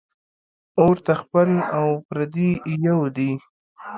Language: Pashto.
اور ته خپل او پردي یو دي